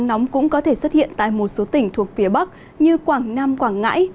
nóng cũng có thể xuất hiện tại một số tỉnh thuộc phía bắc như quảng nam quảng ngãi